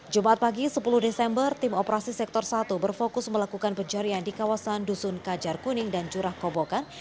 jumat pagi sepuluh desember tim operasi sektor satu berfokus melakukan pencarian di kawasan dusun kajar kuning dan curah kobokan